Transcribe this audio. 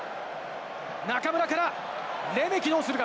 中村から、レメキ、どうするか？